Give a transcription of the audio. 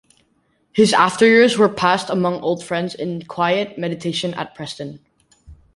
His after years were passed among old friends and in quiet meditation at Preston.